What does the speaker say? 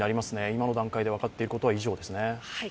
今の段階で分かっていることは以上ですね。